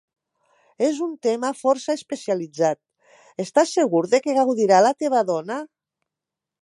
És un tema força especialitzat, estàs segur de què gaudirà la teva dona?